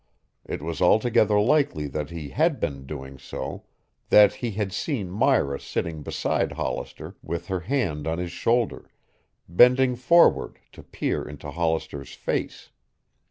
It was altogether likely that he had been doing so, that he had seen Myra sitting beside Hollister with her hand on his shoulder, bending forward to peer into Hollister's face.